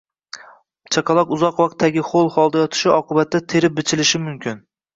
Chaqaloq uzoq vaqt tagi ho‘l holda yotishi oqibatida teri bichilishi mumkin.